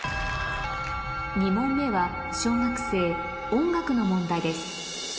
２問目は小学生音楽の問題です